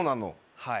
はい。